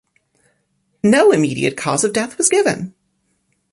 No immediate cause of death was given.